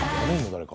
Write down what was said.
誰か。